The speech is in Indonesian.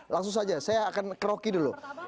langsung saja saya akan ke rocky dulu